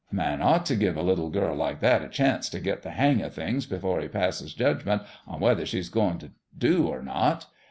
A man ought t' give a little girl like that a chance t' get the hang o' things before he passes judgment on whether she's goin' t' do or not.